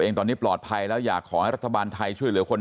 ตอนนี้ปลอดภัยแล้วอยากขอให้รัฐบาลไทยช่วยเหลือคน